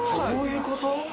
そういうこと？